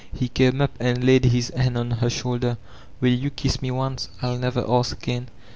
He came up and laid his hand on her shoulder. ''Will ]rou kiss me once? I'll never ask again."